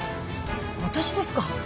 私ですか？